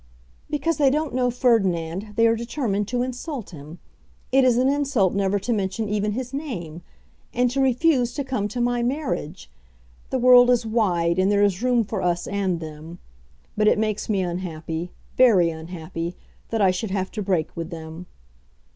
"Because they don't know Ferdinand they are determined to insult him. It is an insult never to mention even his name. And to refuse to come to my marriage! The world is wide and there is room for us and them; but it makes me unhappy, very unhappy, that I should have to break with them."